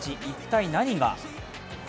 一体何が。